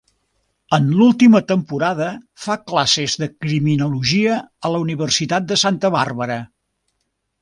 En l'última temporada fa classes de criminologia a la Universitat de Santa Bàrbara.